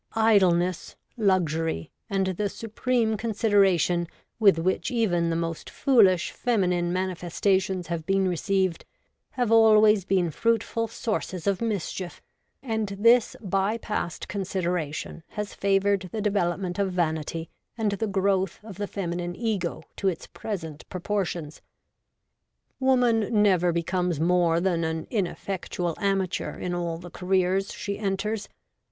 Idleness, 48 REVOLTED WOMAN. luxury, and the supreme consideration with which even the most foolish feminine manifestations have been received, have always been fruitful sources of mischief, and this by past consideration has favoured the development of vanity and the growth of the feminine Ego to its present proportions. Woman never becomes more than an ineffectual amateur in all the careers she enters.